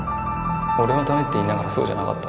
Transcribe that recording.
俺のためって言いながらそうじゃなかった。